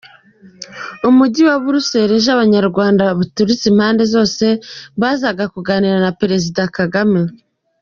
Umujyi wa Bruxelles ejo abanyarwanda baturutse impande zose bazaza kuganira na Perezida Kagame.